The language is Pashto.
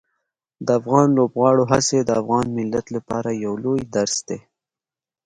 د افغان لوبغاړو هڅې د افغان ملت لپاره یو لوی درس دي.